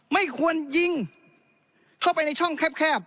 ไม่ควรยิงเข้าไปในช่องแคบ